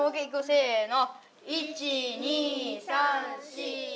せの！